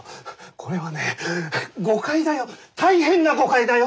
これはね誤解だよ大変な誤解だよ。